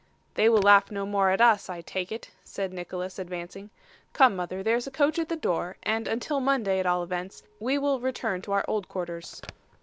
'They will laugh no more at us, I take it,' said Nicholas, advancing. 'Come, mother, there is a coach at the door, and until Monday, at all events, we will return to our old quarters.